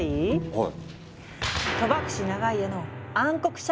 はい！